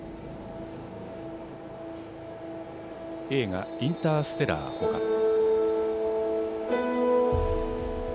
映画「インターステラー」ほか。